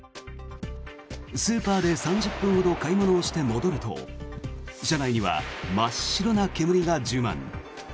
スーパーで３０分ほど買い物して戻ると車内には真っ白な煙が充満。